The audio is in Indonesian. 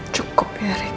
cukup ya rick